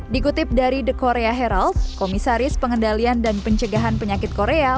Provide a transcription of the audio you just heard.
dikutip dari the korea haralt komisaris pengendalian dan pencegahan penyakit korea